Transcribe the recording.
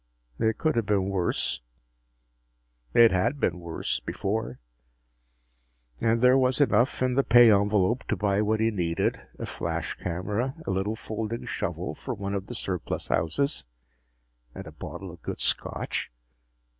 It could have been worse. It had been worse before. And there was enough in the pay envelope to buy what he needed a flash camera, a little folding shovel from one of the surplus houses, and a bottle of good scotch.